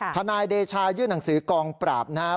ทนายเดชายื่นหนังสือกองปราบนะครับ